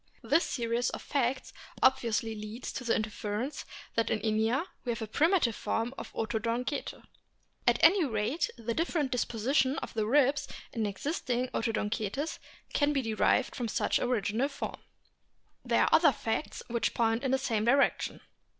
This series of facts obviously leads to the inference that in Inia we have a primitive form of Odontocete. At any rate, the different disposition of the ribs in TOOTHED WHALES 179 existing Odontocetes can be derived from some such o original form. There are other facts which point in the same direction.